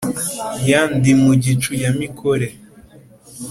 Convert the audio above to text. ya ndimugicu ya mikore